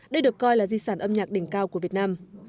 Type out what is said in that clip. đây được coi là di sản âm nhạc đỉnh cao của việt nam